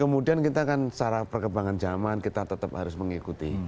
kemudian kita kan secara perkembangan zaman kita tetap harus mengikuti